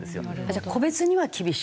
じゃあ個別には厳しく？